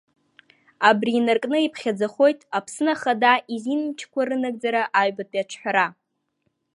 Абри инаркны иԥхьаӡахоит Аԥсны Ахада изинмчқәа рынагӡара аҩбатәи аҿҳәара.